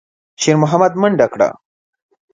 شېرمحمد منډه کړه.